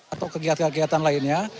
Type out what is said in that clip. atau kegiatan kegiatan lainnya